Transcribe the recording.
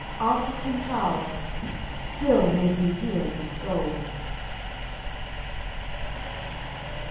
Answers him Charles: "Still may he heal his soul."